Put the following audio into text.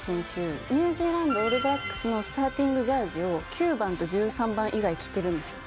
ニュージーランド・オールブラックスのスターティングジャージーを９番と１３番以外着てるんですよ。